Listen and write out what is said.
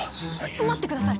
待ってください！